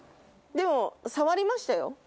でも触りましたよ。